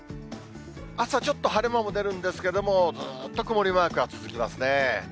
朝、ちょっと晴れ間も出るんですけれども、ずっと曇りマークが続きますね。